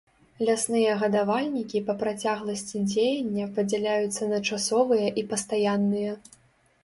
Лясныя гадавальнікі па працягласці дзеяння падзяляюцца на часовыя і пастаянныя.